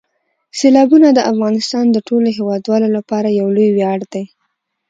سیلابونه د افغانستان د ټولو هیوادوالو لپاره یو لوی ویاړ دی.